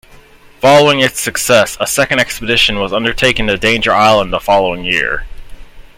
Following its success, a second expedition was undertaken to Danger Island the following year.